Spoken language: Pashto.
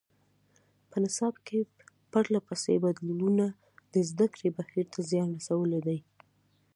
په نصاب کې پرله پسې بدلونونو د زده کړې بهیر ته زیان رسولی دی.